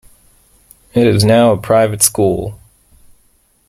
It is now a private school.